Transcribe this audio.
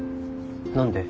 何で？